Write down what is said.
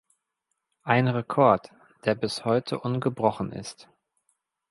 Ein Rekord, der bis heute ungebrochen ist.